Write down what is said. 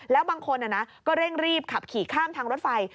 แล้วบางคนก็เร่งรีบขับขี่ข้ามทางรถไฟ